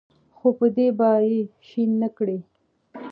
خو په ده به یې شین نکړې.